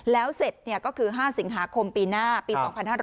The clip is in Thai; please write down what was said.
แล้วเสร็จก็คือ๕สิงหาคมปีหน้าปี๒๕๕๙